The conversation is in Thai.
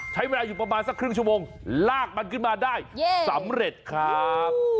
ใช้เวลาอยู่ประมาณสักครึ่งชั่วโมงลากมันขึ้นมาได้สำเร็จครับ